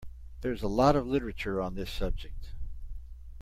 There is a lot of Literature on this subject.